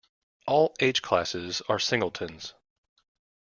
All "H"-classes are singletons.